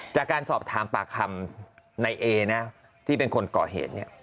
จากการสอบถามปากคำในเอนะที่เป็นคนก่อเหตุเนี่ย